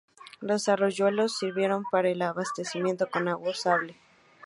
Los arroyuelos sirvieron para el abastecimiento con agua usable.